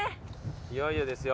いよいよですよ。